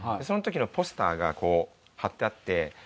その時のポスターがこう貼ってあって。